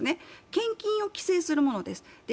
献金を規制するものです。